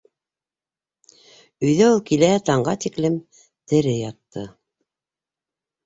Өйҙә ул киләһе таңға тиклем тере ятты...